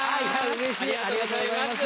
うれしいありがとうございます。